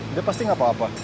dia pasti gak apa apa